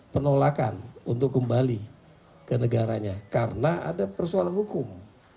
penolakan untuk kembali ke negaranya karena ada persoalan hukum